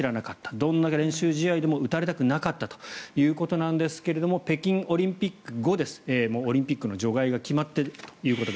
どんな練習試合でも打たれたくなかったということですが北京オリンピック後オリンピックの除外がもう決まっていると。